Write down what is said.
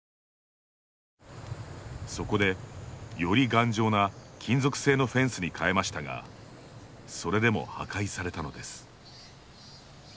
そこで、より頑丈な金属製のフェンスに変えましたがそれでも破壊されたのです。